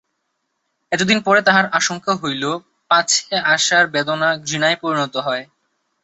এতদিন পরে তাহার আশঙ্কা হইল, পাছে আশার বেদনা ঘৃণায় পরিণত হয়।